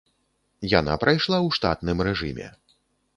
Яна прайшла ў штатным рэжыме.